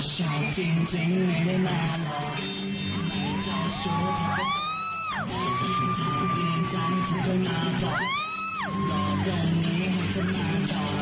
สุดยอดสุดยอดของกริ๊ดด้วยคนนี้นะ